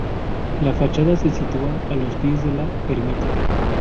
La fachada se sitúa a los pies de la ermita.